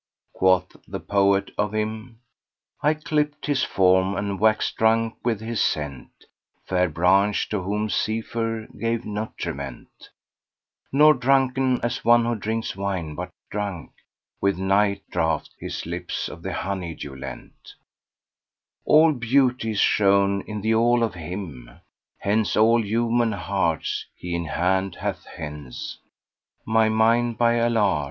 Quoth the poet of him, "I clipt his form and wax'd drunk with his scent, * Fair branch to whom Zephyr gave nutriment: Nor drunken as one who drinks wine, but drunk * With night draught his lips of the honey dew lent: All beauty is shown in the all of him, * Hence all human hearts he in hand hath hens: My mind, by Allah!